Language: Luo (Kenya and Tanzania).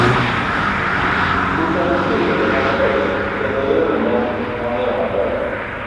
kucha nitie jok mabeyo, kendo yore ne ang'eyo maber